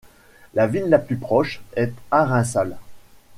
La ville la plus proche est Arinsal.